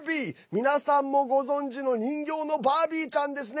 皆さんもご存じの人形のバービーちゃんですね。